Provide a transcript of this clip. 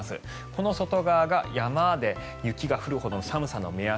この外側が山で雪が降るほどの寒さの目安。